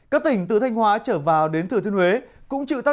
các tỉnh từ thanh hóa trở vào đến thừa thuyên huế